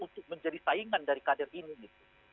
untuk menjadi saingan dari kader ini gitu